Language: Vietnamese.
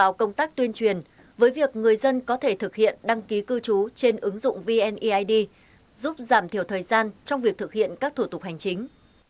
đảm bảo công tác tuyên truyền với việc người dân có thể thực hiện đăng ký cư trú trên ứng dụng vneid giúp giảm thiểu thời gian trong việc thực hiện các thủ tục hành chính